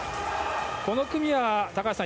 この組は高橋さん